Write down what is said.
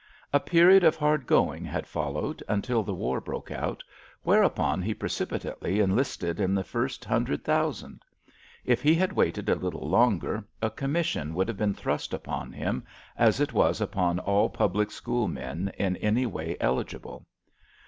A period of hard going had followed, until the war broke out, whereupon he precipitately enlisted in the first hundred thousand. If he had waited a little longer a commission would have been thrust upon him as it was upon all public school men in any way eligible.